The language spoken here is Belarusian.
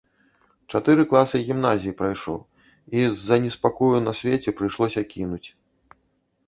Чатыры класы гімназіі прайшоў, і з-за неспакою на свеце прыйшлося кінуць.